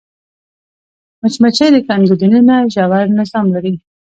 مچمچۍ د کندو دننه ژور نظم لري